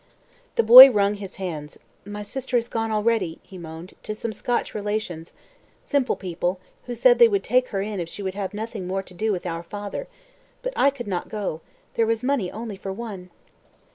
The boy wrung his hands. "My sister has gone already," he moaned, "to some Scotch relations simple people who said they would take her in if she would have nothing more to do with our father. But I could not go there was money only for one."